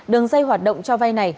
đường dây hoạt động cho vay này